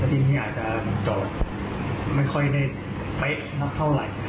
แล้วทีนี้อาจจะจอดไม่ค่อยได้ไปเมื่อเท่าไหร่